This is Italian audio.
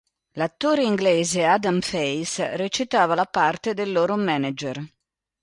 L'attore inglese Adam Faith recitava la parte del loro manager.